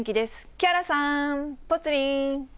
木原さん、ぽつリン。